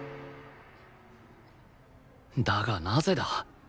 だがなぜだ？